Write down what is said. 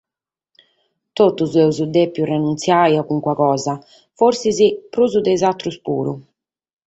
Totus amus dèpidu rinuntziare a carchi cosa, fortzis prus de is àteros puru.